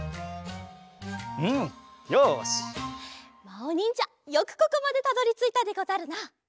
まおにんじゃよくここまでたどりついたでござるな。